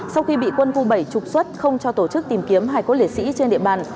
sau khi bị quân khu bảy trục xuất không cho tổ chức tìm kiếm hải cốt liệt sĩ trên địa bàn